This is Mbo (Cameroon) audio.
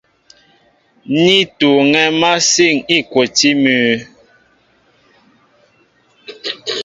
Ní tuuŋɛ̄ másîn îkwotí mʉ́ʉ́.